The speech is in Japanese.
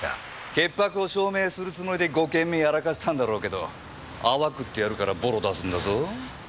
潔白を証明するつもりで５件目やらかしたんだろうけどアワくってやるからボロ出すんだぞ？